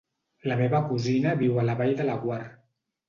La meva cosina viu a la Vall de Laguar.